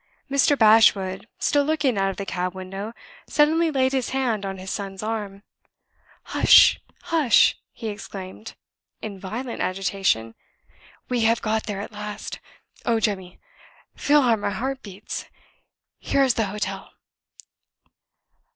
Mr. Bashwood, still looking out of the cab window, suddenly laid his hand on his son's arm. "Hush! hush!" he exclaimed, in violent agitation. "We have got there at last. Oh, Jemmy, feel how my heart beats! Here is the hotel."